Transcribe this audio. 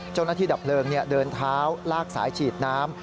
เจ้าหน้าที่ดับเพลิงเดินเท้าลากสายฉีดน้ำ